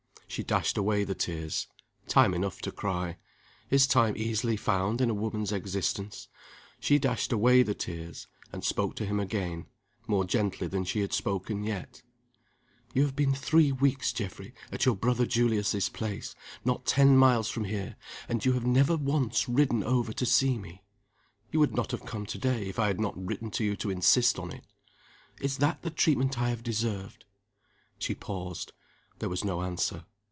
She dashed away the tears time enough to cry, is time easily found in a woman's existence she dashed away the tears, and spoke to him again, more gently than she had spoken yet. "You have been three weeks, Geoffrey, at your brother Julius's place, not ten miles from here; and you have never once ridden over to see me. You would not have come to day, if I had not written to you to insist on it. Is that the treatment I have deserved?" She paused. There was no answer.